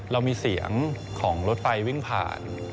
เรามีเสียงของรถไฟวิ่งผ่าน